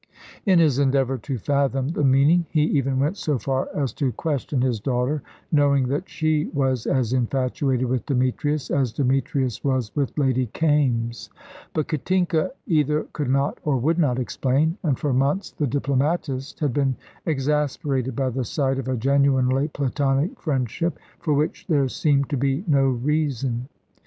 In his endeavour to fathom the meaning, he even went so far as to question his daughter, knowing that she was as infatuated with Demetrius as Demetrius was with Lady Kaimes. But Katinka either could not or would not explain, and for months the diplomatist had been exasperated by the sight of a genuinely platonic friendship, for which there seemed to be no reason.